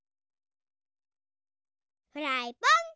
フライパン！